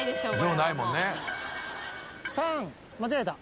間違えた。